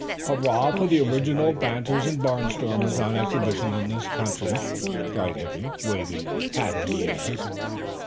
"Hurrah for the only original ranters and barnstormers on exhibition in this country," cried Hippy, waving his hat in the air.